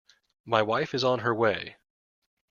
My wife is on her way.